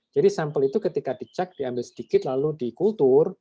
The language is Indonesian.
jadi sampel itu ketika dicek diambil sedikit lalu dikultur